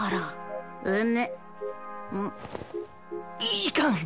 いかん！